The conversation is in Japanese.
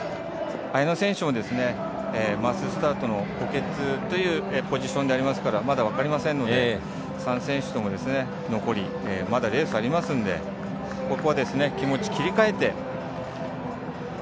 綾乃選手もマススタートの補欠というポジションでありますからまだ分かりませんので３選手とも残りまだレースがありますのでここは気持ちを切り替えて。